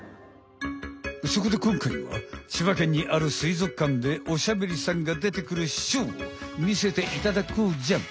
そこでこんかいは千葉県にあるすいぞくかんでおしゃべりさんがでてくるショーを見せていただこうじゃん。